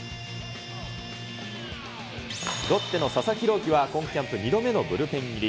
ロッテの佐々木朗希は、今キャンプ２度目のブルペン入り。